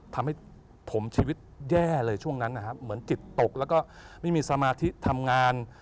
ทำให้ผมชีวิตแย่เลยช่วงนั้นนะครับเหมือนจิตตกแล้วก็ไม่มีสมาธิทำงาน